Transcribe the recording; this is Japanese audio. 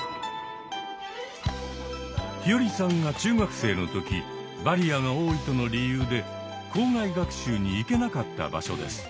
陽葵さんが中学生の時バリアが多いとの理由で校外学習に行けなかった場所です。